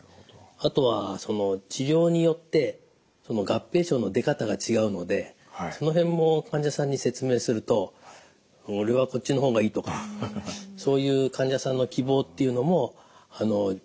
あとはその治療によって合併症の出方が違うのでその辺も患者さんに説明すると「俺はこっちの方がいい」とかそういう患者さんの希望っていうのも重要な要素になりますね。